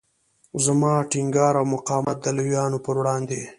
زما ټینګار او مقاومت د لویانو پر وړاندې.